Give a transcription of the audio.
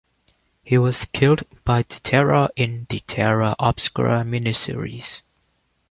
He was killed by The Terror in the Terra Obscura miniseries.